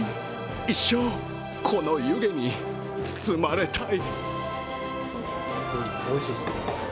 一生この湯気に包まれたい！